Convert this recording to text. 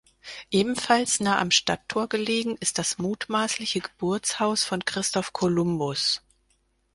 Ebenfalls nah am Stadttor gelegen ist das mutmaßliche Geburtshaus von Christoph Kolumbus.